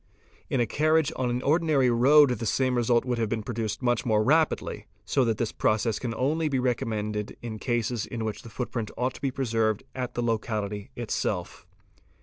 In _ acarriage on an ordinary road the same result would have been produced "much more rapidly, so that this process can only be recommended in the 'eases in which the footprint ought to be preserved at the locality itself.